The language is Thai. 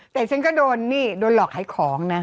แต่ฉันก็โดนนี่โดนหลอกขายของนะ